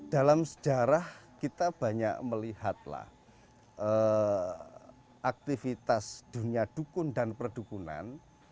dalam sejarah kita banyak melihatlah aktivitas dunia dukun dan perdukunan